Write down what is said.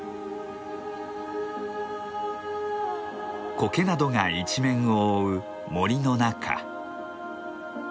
コケなどが一面を覆う森の中。